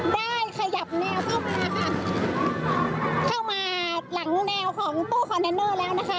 ได้ขยับแนวเข้ามาค่ะเข้ามาหลังแนวของตู้คอนเทนเนอร์แล้วนะคะ